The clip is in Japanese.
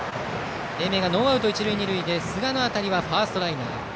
英明がノーアウト一塁二塁でファーストライナー。